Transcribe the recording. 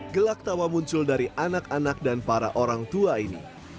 gelak tawa muncul dari anak anak dan para orang tua ini